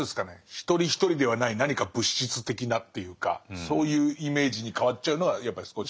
一人一人ではない何か物質的なっていうかそういうイメージに変わっちゃうのはやっぱり少し。